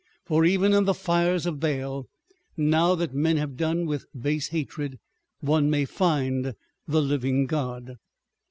For even in the fires of Baal, now that men have done with base hatred, one may find the living God.